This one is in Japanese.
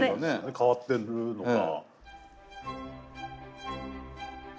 変わってるのか。